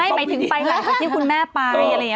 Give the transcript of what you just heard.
ไม่ที่ไปกับคุณแม่ไปอะไรอย่างเงี้ย